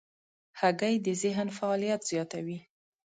هګۍ د ذهن فعالیت زیاتوي.